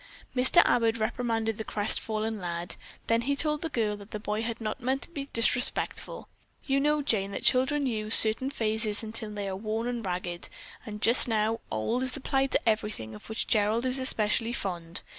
Mr. Abbott reprimanded the crestfallen lad, then he told the girl that the boy had not meant to be disrespectful. "You know, Jane, that children use certain phrases until they are worn ragged, and just now 'old' is applied to everything of which Gerald is especially fond.